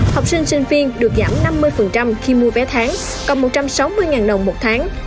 học sinh sinh viên được giảm năm mươi khi mua vé tháng còn một trăm sáu mươi đồng một tháng